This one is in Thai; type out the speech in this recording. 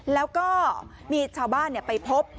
แล้วก็มีชาวบ้านไปพบ